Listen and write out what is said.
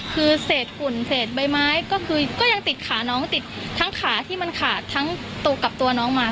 คือเศษฝุ่นเศษใบไม้ก็คือก็ยังติดขาน้องติดทั้งขาที่มันขาดทั้งตัวกับตัวน้องมา